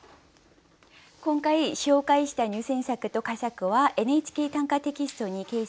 今回紹介した入選作と佳作は「ＮＨＫ短歌」テキストに掲載されます。